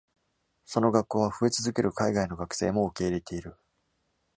その学校は増え続ける海外の学生も受け入れている。